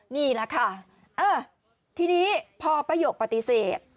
นี่แหละค่ะทีนี้พอป้ายกปฏิเสธ